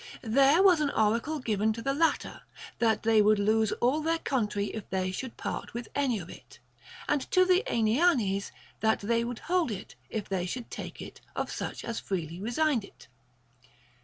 There was an oracle given to the latter, that they would lose all their country if they should part with any of it, — and to the Aenianes, that they would hold it if they should take it of such as freely resigned it.